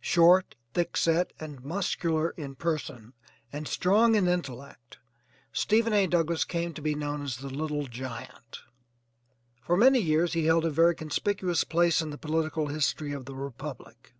Short, thickset, and muscular in person, and strong in intellect Stephen A. Douglass came to be known as 'The Little Giant.' For many years he held a very conspicuous place in the political history of the republic.